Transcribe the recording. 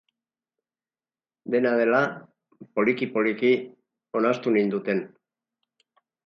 Dena dela, poliki-poliki, onartu ninduten.